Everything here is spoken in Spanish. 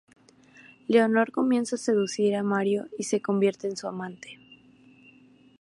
Leonor comienza a seducir a Mario y se convierte en su amante.